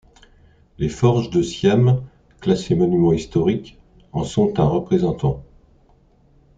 Les Forges de Syam, classées monument historique, en sont un représentant.